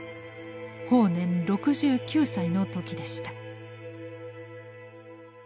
法然６９歳の時でした。